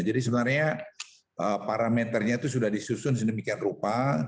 jadi sebenarnya parameternya itu sudah disusun sedemikian rupa